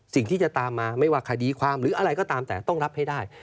สิ่งที่จะตามมาไม่ว่าคดีความหรืออะไรก็ตามแต่ต้องรับให้ได้